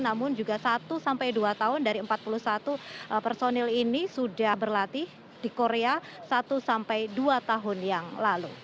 namun juga satu sampai dua tahun dari empat puluh satu personil ini sudah berlatih di korea satu sampai dua tahun yang lalu